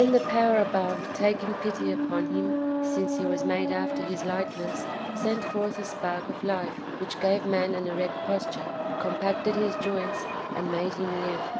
the power above taking pity upon him, since he was made after his Hkeness, sent forth a spark of life, which gave man an erect posture, compacted his joints, and made him Hve.